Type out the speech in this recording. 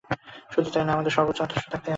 শুধু তাই নয়, আমাদের সর্বোচ্চ আদর্শ থাকাই আবশ্যক।